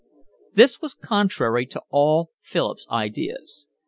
This was contrary to all Philip's ideas.